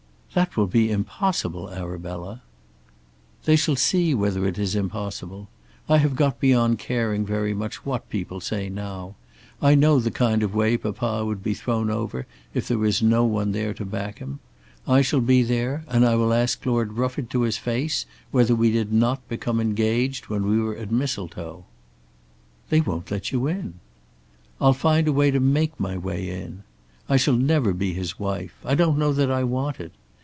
"That will be impossible, Arabella." "They shall see whether it is impossible. I have got beyond caring very much what people say now. I know the kind of way papa would be thrown over if there is no one there to back him. I shall be there and I will ask Lord Rufford to his face whether we did not become engaged when we were at Mistletoe." "They won't let you in." "I'll find a way to make my way in. I shall never be his wife. I don't know that I want it.